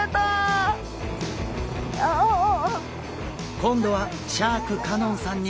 今度はシャーク香音さんにも！